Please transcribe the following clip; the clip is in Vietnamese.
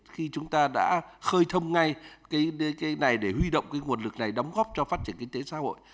khi chúng ta đã khơi thông ngay cái này để huy động cái nguồn lực này đóng góp cho phát triển kinh tế xã hội